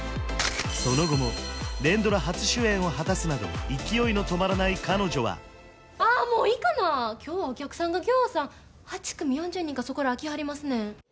その後も連ドラ初主演を果たすなど勢いの止まらない彼女はああもういいかな今日はお客さんがぎょうさん８組４０人かそこらは来はりますねん